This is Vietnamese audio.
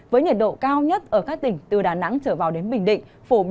với nhiệt độ cao nhất ở các tỉnh từ đà nẵng trở vào đến bình định